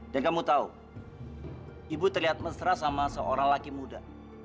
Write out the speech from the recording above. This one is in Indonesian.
dan kamu tahu ibu terlihat mesra sama seorang laki muda